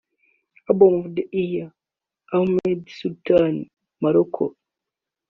Album of the year – Ahmed Soultan (Morocco)